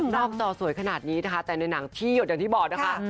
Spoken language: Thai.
จอสวยขนาดนี้นะคะแต่ในหนังที่หยดอย่างที่บอกนะคะ